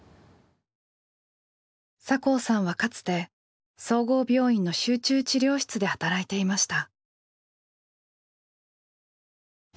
酒匂さんはかつて総合病院の集中治療室で働いていました。